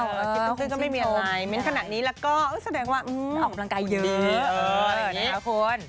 คิดตื่นก็ไม่มีอะไรเมนต์ขนาดนี้แล้วก็แสดงว่าออกกำลังกายเยอะ